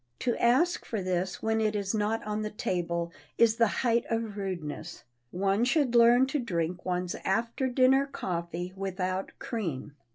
To ask for this when it is not on the table is the height of rudeness. One should learn to drink one's after dinner coffee without cream.